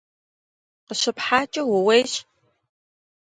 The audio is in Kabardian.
КъыщыпхьакӀэ ууейщ!